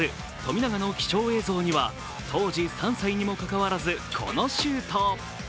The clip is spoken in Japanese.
富永の貴重映像には当時３歳にもかかわらずこのシュート。